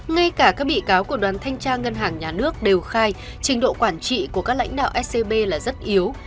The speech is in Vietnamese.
ngay cả các bị cáo của đoàn thanh tra ngân hàng nhà nước đều khai trình độ quản trị của các lãnh đạo scb là rất yếu